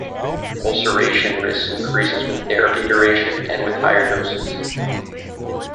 Ulceration risk increases with therapy duration, and with higher doses.